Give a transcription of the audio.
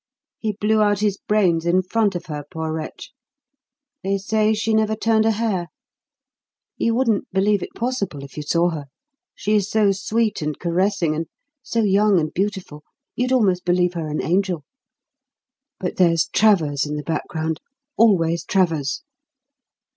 He blew out his brains in front of her, poor wretch. They say she never turned a hair. You wouldn't believe it possible, if you saw her; she is so sweet and caressing, and so young and beautiful, you'd almost believe her an angel. But there's Travers in the background always Travers."